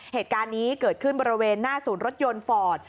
เหตุการณ์นี้เกิดขึ้นบริเวณหน้าศูนย์รถยนต์ฟอร์ด